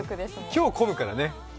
今日、込むからね。